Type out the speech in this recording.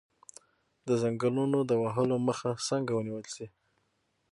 د ځنګلونو د وهلو مخه څنګه ونیول شي؟